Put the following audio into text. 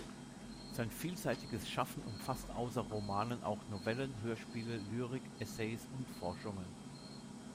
Sein vielseitiges Schaffen umfasst außer Romanen auch Novellen, Hörspiele, Lyrik, Essays und Forschungen.